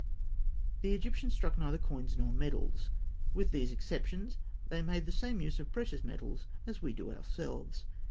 The Egyptians struck neither coins nor medals. With these exceptions, they made the same use of the precious metals as we do ourselves.